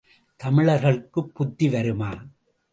தமிழர்களுக்குப் புத்தி வருமா?